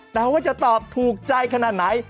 แต่ว่าจะตอบถูกใจขนาดไหน